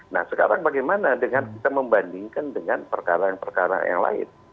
nah sekarang bagaimana dengan kita membandingkan dengan perkara yang perkara yang lain